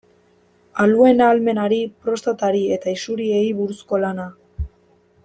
Aluen ahalmenari, prostatari eta isuriei buruzko lana.